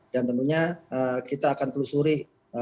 dan tentunya kita akan telusuri